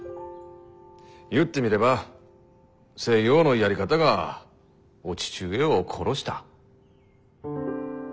言ってみれば西洋のやり方がお父上を殺した。